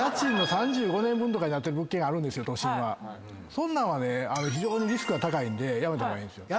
そんなんはね非常にリスクが高いんでやめた方がいい。